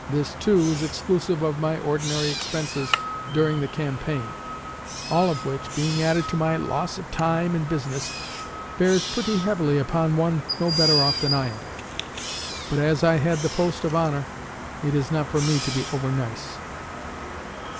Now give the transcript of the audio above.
This, too, is exclusive of my ordinary expenses during the campaign, all of which, being added to my loss of time and business, bears pretty heavily upon one no better off than I am. But as I had the post of honor, it is not for me to be over nice.